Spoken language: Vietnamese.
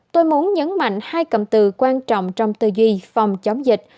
tôi muốn nhấn mạnh hai cầm từ quan trọng trong tư duy phòng chống dịch